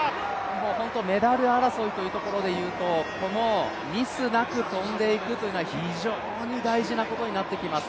本当にメダル争いというところでいうと、このミスなく跳んでいくというのは非常に大事なことになってきます。